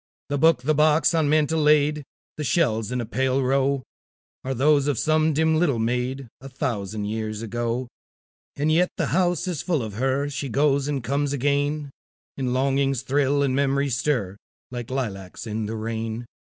The book, the box on mantel laid, The shells in a pale row, Are those of some dim little maid, A thousand years ago. And yet the house is full of her; She goes and comes again; And longings thrill, and memories stir, Like lilacs in the rain.